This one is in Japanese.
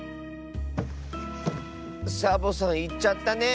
サボさんいっちゃったね。